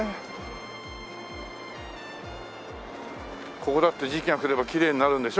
ここだって時期が来ればきれいになるんでしょ？